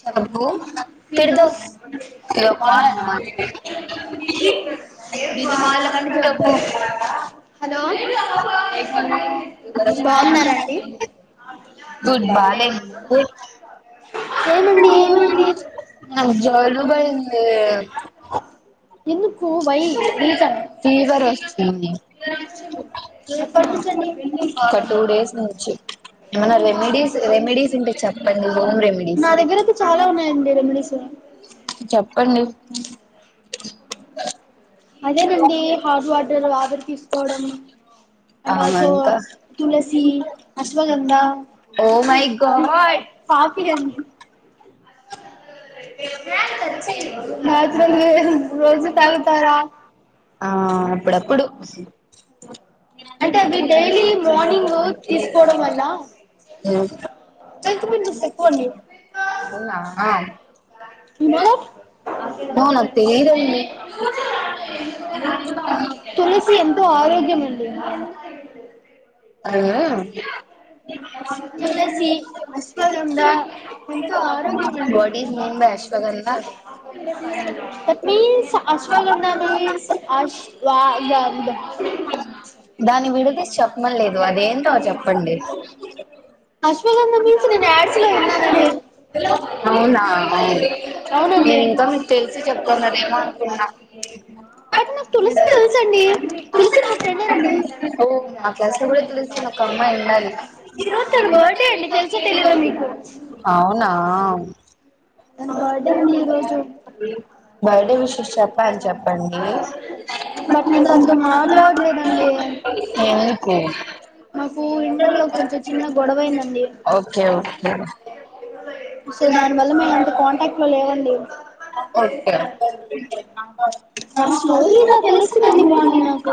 చెప్పు ఫిర్దోస్ [inaudible] హలో బావున్నారాండి గుడ్ బానే నా జలుబైందే ఫీవర్ వస్తుంది ఒక టూ డేస్ నుంచి ఏమైనా రెమెడీస్ రెమెడీస్ ఉంటే చెప్ప హోమ్ రెమి ఎగ్జామ్కి చదవాలి నేను చెప్పండి అదేనండి హాట్ వాటర్ ఆవిర్ తీసుకోవడం and also tulsi ashwagandha coffee అండి [unintelligible] రోజూ తాగు తర ఆ అప్పుడప్పుడు అంటే అవి డైలీ మార్నింగు తీసుకోవడం వల్ల హెల్త్ బెనిఫిట్స్ ఎక్కవ అండి ఐయామే రైట్ తులసి ఎంతో ఆరోగ్యం తులసి అశ్వగంధ ఎంతో ఆరోగ్యం అండి దట్మీన్స్ అశ్వగంధా మీన్స్ అశ్వ గంధ అశ్వగంధ మీన్స్ నేను యాడ్స్ లో విన్నానండి అవునండి బట్ నాకు తులసి తెలుసు అండి తులిసి మా ఫ్రెండేనండి ఓ మా క్లాస్ లో కూడా తులసి అని ఒక అమ్మాయి ఉండాది. తన బర్త్డే నండి ఈ రోజు బట్ నేన్ తనతో మా అవట్లేదండి మా ఫ్ ఇంటర్లో కొంచె చిన్న గొడవైందండి సో దాని వల్ల మేమ్ కాంటాక్ట్ లో లేవండి తన స్టోరీ ఇలా తెలుస్తుంది అండి మార్నింగ్ నాకు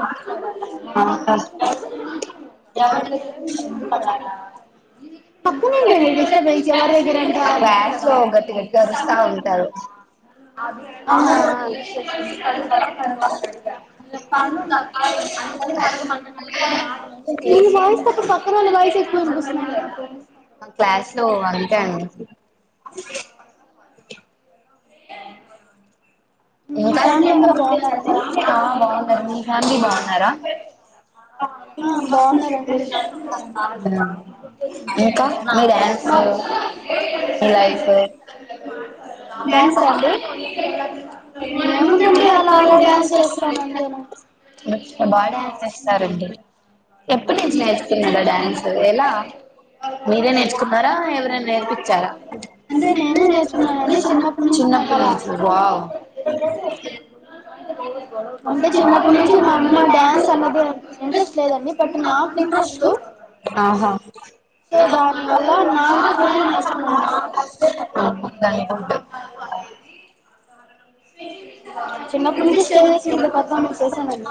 తప్పునేం [unintelligible] ఎవరిదగ్గరంట నీ వాయిస్ కంటే పక్కన వాల్ల వాయిస్ ఎక్కువ వినిపిస్తాంది ఇంకా ఆ బాగున్నారు మీ ఫ్యామిలీ బాగున్నారా మ్ ఇంకా మీ డాన్సు ఇలా ఐసెట్ డ్యాన్సా అండి ఏముందండి అలా అలా డ్యాన్స్ చేస్తానుంతే అంటే నేనే నేర్చుకున్నానుండి చిన్నప్పటి నుంచి నాకు అలా అంటే చిన్నప్పటి నుంచి మా అమ్మ డ్యాన్స్ అనేది ఇంట్రెస్ట్ లేదండి బట్ నాకు ఇంట్రెస్ట్ సో దాని వల్ల నా అంతటా నినే నేర్చుకున్నాను అ చిన్నప్పుడు నుంచి స్టేజెస్ ముందే పార్ఫేర్మెన్స్ చేసానని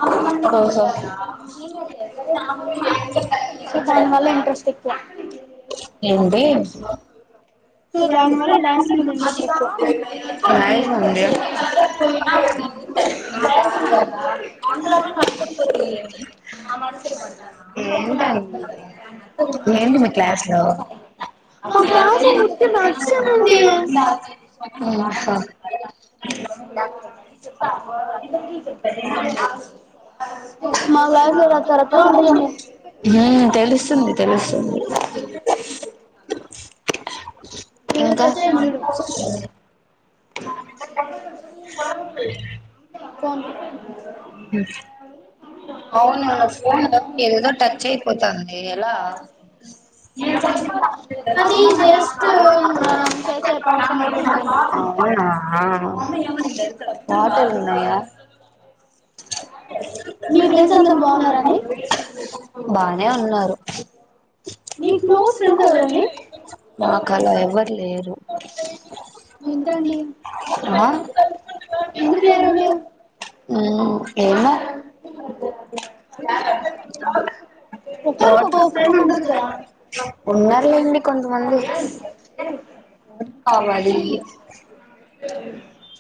సో దాని వల్ల ఇంట్రెస్ట్ ఎక్ ఏంటి సో దాని వల్ల డ్యాన్స్ మీద ఇంట్రెస్ట్ ఎక్కువ ఏంటండి ఇది ఏంటి మీ క్లాస్ లో క్ నచ్చవండి చె అ హు తెలుస్తుంది తెలుస్తుంది ఇంకా డ కోన్ హు అవునువును ఫోన్ లో ఏదేదో టచ్ అయిపోతంది ఎలా అవునా మాటల్ ఉన్నాయ మీ ఫ్రెండ్ అందరు బాగున్నారా అండి బానే ఉన్నారు మాకు అలా ఎవరు లేరు ఆ హు ఏమో ఒక్కొరుకు ఒక్కోక ఫ్రెండ్ ఉంటద్ కదా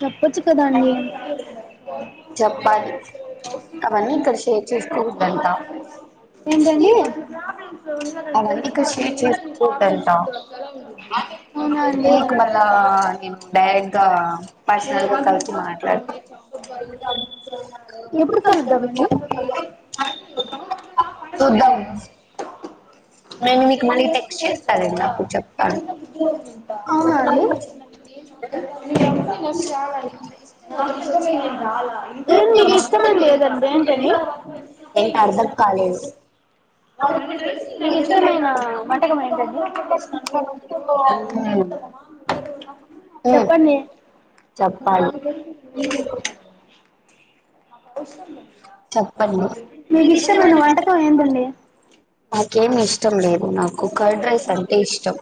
హు చెప్పచ్చు కదండి ఏంటండి అవున అండి ఎప్పుడు కలుద్దాం అండి అవున అండి మ ఏదన్నా మీకు ఇష్టమైంది ఏదండి ఏంటండీ మికు ఇష్టమైన వంటకం ఏంటండి చెప్పండి మా కస్లు చెప్పండి నాకేమి ఇష్టం లేదు నాకు కర్డ్ రైస్ అంటే ఇష్టం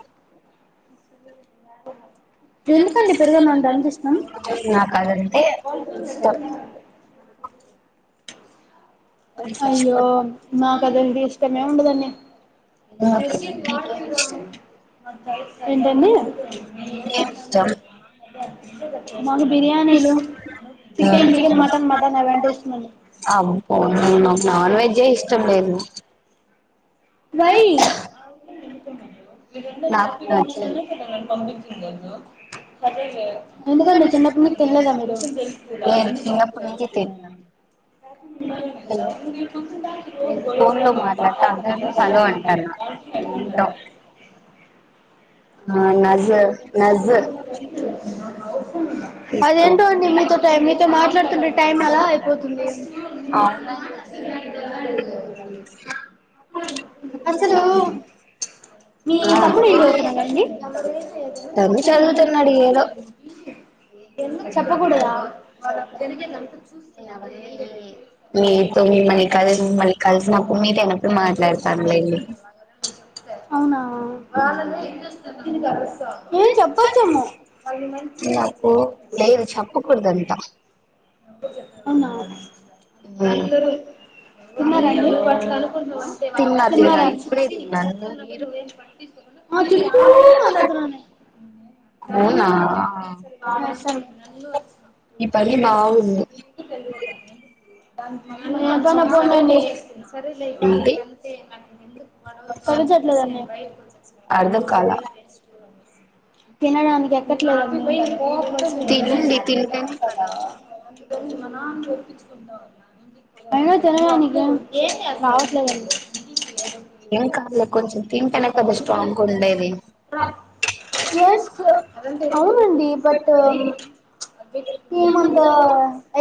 ఎందుకండి పెరుగన్నం అంటే అంత ఇష్టం అయ్యో మా కద ఇడి ఇష్టమే ఉండద అన్ని ె ఏంటఅండి అ మాకు బిర్యానీలు చికెన్ చికెన్ మటన్ మటన్ అవంటి ఇస్తున్నాండి నాన్ వెజ్ ఇష్టం లేదు రయి హ పం సింగ సబేజ ఎందుకంటే నువ్వు చిన్నప్పడు నుీకు తెలిలేదా మీరు, అందులో అంట ఆ నజ్ నాజ్ అదేంటో అండి మీతో టై మీతో మాట్లాడుతుండే టైం అలా అయిపోతుంది అసలు మీ తమ్ముడు ఇంట్ ఏమండీ ఎందుకు చెప్పకూడదా వాళ్ళ జరిగేదంతా చూప్ ఏంు అవునా. ఆ కాాలండి ర మం చెప్పొచ్చేమో అవునా అందరూ ఉన్నారు అ పట్లు అనుకుంటవ్ అంతే వాళ్ళ చెప్న్నట్టు నువ్వే పట్ మద్యం కూ మాట్లాడు రాని మాటని కూడాను తెలిపో మన్నద ండి సరే లైక్క అే ఎందుకు కలుచట్లేదు బయట అ చె హాం తినడానికి కి ఎక్కట్లే [unintelligible] తినండి తింటేనే కదా. అయినా తినడానికి ఏం అ రావట్లేదండి ఏం కాదులే కొంచెం తింటేనే కదా ఎస్ అవునండి బట్ ఏమంత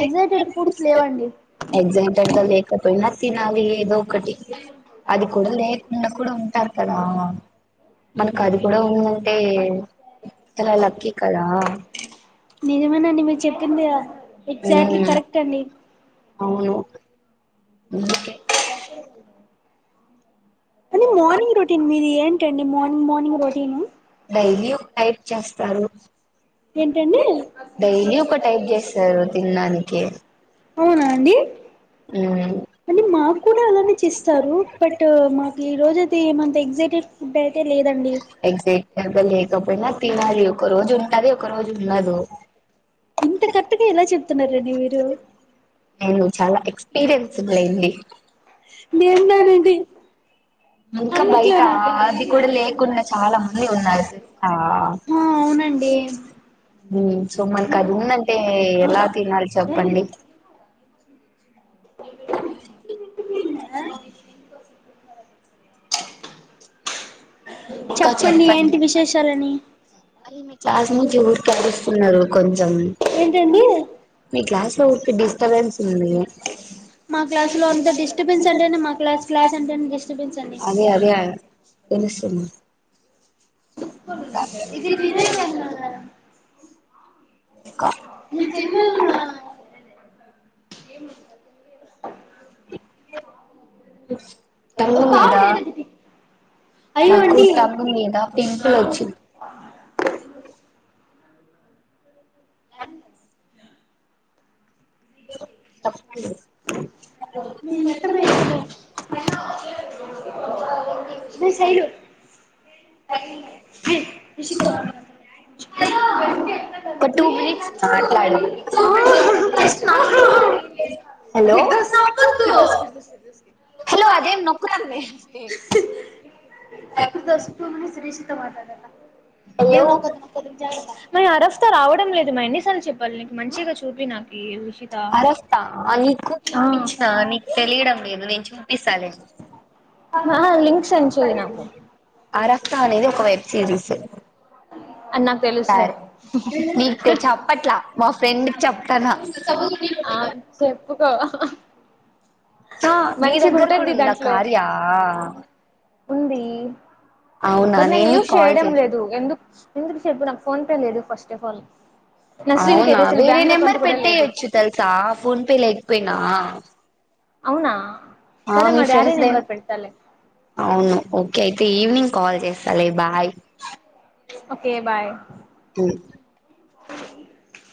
ఎగ్జైటెడ్ ఫుడ్స్ లేవండి పోయినా తినాలి ఏదో ఒకటి అది కూడా లేకుండా కూడా ఉం టర్ కదా మనకు అది కూడా ఉందంటే చాలా లక్కీ కదా నిజమేనండి మీ చెప్పింది ఎగ్జాక్ట్లీ కరెక్ట్ అండి అవును కానీ మార్నింగ్ రొటీన్ మీది ఏంటండి మా ఉన్ మార్నింగ్ రోటీను డైలీ టైప్ చేస్తారు ఏంటండి అవునా అండి అ మాక్కూడా అలానే చేస్తారు బట్ మాకు ఈ రోజై తే ఏమంత ఎగ్జటెడ్ ఫుడ్ అయి ఎగ్జ్ [unintelligible] లేకపోయినా తినాలి ఒక రోజు ఉంటాది ఒక ఒక్క రోజు ఉన్నదు ఇంత కరెట్గా ఎలా చెప్తున్నారండి మీరు ఏందో చాలా ఎక్స్పీరియన్స్ల్ లేండి [unintelligible] ఇంకా బయట అది కూడా లేకుండా చాలా మంది ఉన్నారు తెలుసా సో మనకు అది ఉందంటే ఎలా తినాలి చెప్పండి విట్న్న చెప్పండి ఏంటి విశేషాలని అరె మీ క్లాస్ మీట్లు ఊరికే అరుస్తున్నారు కొం ఏంటండి మా క్లాస్ లో అంత డిస్టర్బెన్స్ అంటే నే మా క్లాస్ క్లాస్ అంటే డిస్టర్బెన్స్ అండి తెలుస్తుంది ఇది దినేసె అన్న కదా నేన్ తిన వున్న ఆల్రెడీ ఏం ఇంకా తిన్పియవ్ రా తంగమదా నాకు సంగ్ మీదా పింపుల్ వచ్చి గదన్ తెల్స్ చప్పుడు మీ అత్తమ్మ యెషదో గీ సైలు ఏయ్ నిషితో మాట్లాడే అతను హలో డ్రెస్సింగ్ టేబుల్ ఒక టూ మినిట్స్ మాట్లాడు హలో హలో అదేం నొక్కుతాంది ఏ ఎబ్ కోమని శిరీషతో మాట్లాడాలా ఏం నొక్కదూ నొక్కదు జాగ్రత్త మరి అరఫ్త రావడం లేదు మరెన్నిసార్లు చెప్పాలి నీకు మంచిగా చూపి నాకి అరఫ్త ఆ నీకు చూపిచ్నా ని తెలియడం లేదు నిజం పిసలే ఇంతేతయింది అరఫ్త అనేది ఒక వెబ్ సిరీసు సరే నీకు చెప్పట్ల మా ఫ్రెండ్కి చెప్తన్నా ఆ చెప్పుకో హా హా హా ఆ మీ దగ్గర కూడా ఉందా కార్యా మరి నేను యూస్ చేయడం లేదు ఎందుకు ఎందుకు చెప్పు నాకు ఫోన్పే లేదు ఫస్టఫల్ అవునా వేరే నెంబర్ పెట్టేయచ్చు తెలుసా ఫోన్పే లేక్ కపోయిన అవునా ఆ మీ ఫ్రెండ్స్ దే అవును ఓకే అయితే ఈవినింగ్ కాల్ చేస్ సలే బాయ్ ఓకే బాయ్ ఉ [inaudible]